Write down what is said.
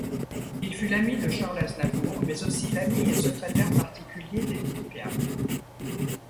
Il fut l'ami de Charles Aznavour mais aussi l'ami et secrétaire particulier d’Édith Piaf.